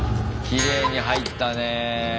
きれいに入ったねえ。